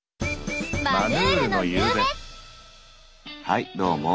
はいどうも。